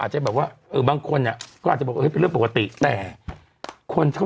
อ๋อหน้าบ้านด้วย